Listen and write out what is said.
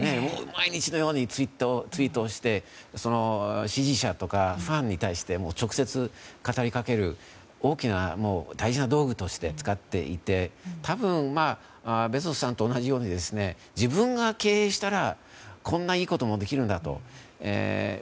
毎日のようにツイートをして支持者とかファンに対して直接、語り掛ける大きな大事な道具として使っていて多分、ベゾスさんと同じように自分が経営したらこんないいこともできるんだと。